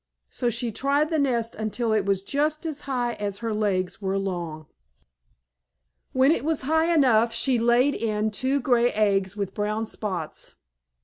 So she tried the nest until it was just as high as her legs were long. When it was high enough, she laid in it two gray eggs with brown spots.